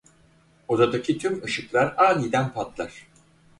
Odadaki tüm ışıklar aniden patlar.